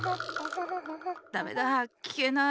ダメだ。きけない。